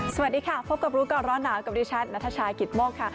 สวัสดีค่ะพบกับรู้ก่อนร้อนหนาวกับดิฉันนัทชายกิตโมกค่ะ